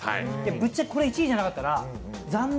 ぶっちゃけこれが１位じゃなかったら、残念！